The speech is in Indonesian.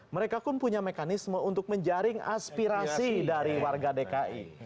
mereka pun punya mekanisme untuk menjaring aspirasi dari warga dki